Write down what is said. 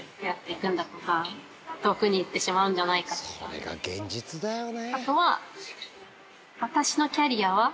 それが現実だよね。